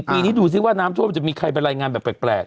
ปีนี้ดูซิว่าน้ำท่วมมันจะมีใครไปรายงานแบบแปลก